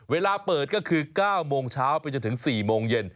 เวลาเปิดก็คือ๙โมงเช้าไปจนถึง๔โมงเย็น